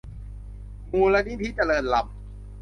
มูลนิธิเจริญรัมย์